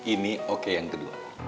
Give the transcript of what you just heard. ini oke yang kedua